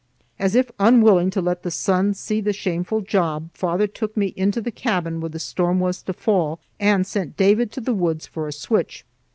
As if unwilling to let the sun see the shameful job, father took me into the cabin where the storm was to fall, and sent David to the woods for a switch.